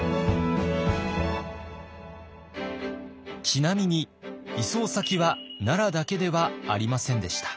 ちなみに移送先は奈良だけではありませんでした。